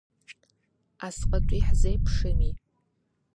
Асҟатәи ҳзеиԥшыми?